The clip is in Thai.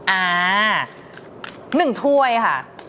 อ่าหนึ่งถ้วยค่ะ